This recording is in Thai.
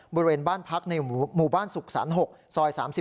บริเวณบ้านพักในหมู่บ้านสุขสรรค์๖ซอย๓๔